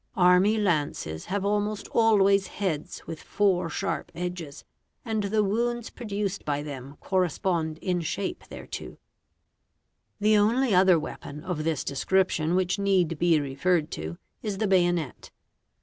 Army lances have almost always heads with four sharp edges and the wounds pro duced by them correspond in shape thereto. T'he only other weapon of this description which need be referred to is the bayonet.